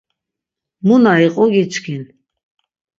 Mu na iqu giçkin.